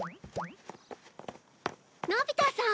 のび太さん！